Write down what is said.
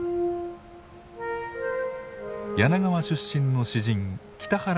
柳川出身の詩人北原